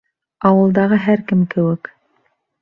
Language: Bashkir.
Ауылдағы һәр кем кеүек.